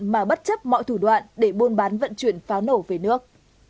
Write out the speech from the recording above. mà bất chấp mọi thủ đoạn để buôn bán vận chuyển pháo nổ về nước